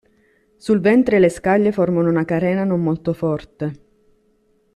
Sul ventre le scaglie formano una carena non molto forte.